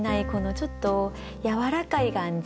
ちょっとやわらかい感じ。